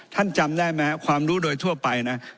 ท่านจำได้มั้ยครับความรู้โดยทั่วไปนะ